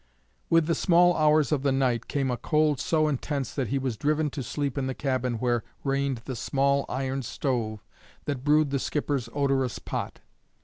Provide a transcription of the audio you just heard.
With the small hours of the night came a cold so intense that he was driven to sleep in the cabin where reigned the small iron stove that brewed the skipper's odorous pot.